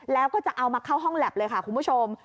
แล้วก็จะเอามาเข้าห้องแล็บเลยค่ะคุณผู้ชม